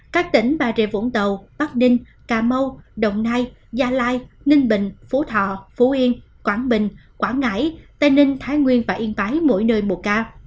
các tỉnh bà rịa vũng tàu bắc ninh cà mau đồng nai gia lai ninh bình phú thọ phú yên quảng bình quảng ngãi tây ninh thái nguyên và yên bái mỗi nơi một ca